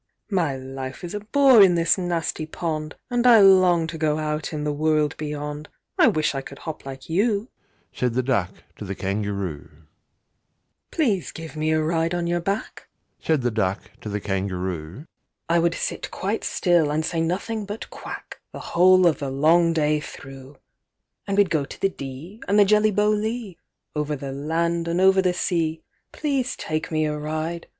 My life is a bore in this nasty pond, And I long to go out in the world beyond! I wish I could hop like you!" Said the Duck to the Kangaroo. II. "Please give me a ride on your back!" Said the Duck to the Kangaroo. "I would sit quite still, and say nothing but 'Quack,' The whole of the long day through! And we'd go to the Dee, and the Jelly Bo Lee, Over the land, and over the sea; Please take me a ride!